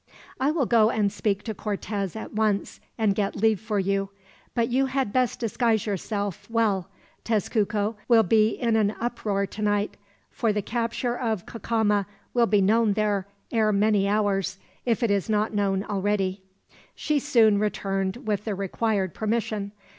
"I will go and speak to Cortez at once, and get leave for you. But you had best disguise yourself well Tezcuco will be in an uproar tonight; for the capture of Cacama will be known there ere many hours, if it is not known already." She soon returned with the required permission.